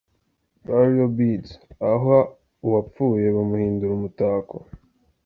Burial beads: Aha uwapfuye bamuhindura umutako.